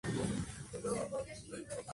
A cambiado poco desde su apertura.